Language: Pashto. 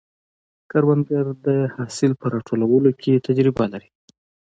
کروندګر د حاصل په راټولولو کې تجربه لري